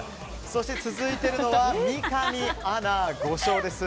そして、続いているのは三上アナ５勝です。